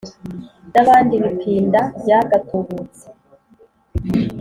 N’abandi b’ipinda ry’agatubutse